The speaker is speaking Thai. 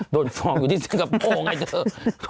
โดนฟองอยู่ที่ซึงกระโป้ไงเถอะ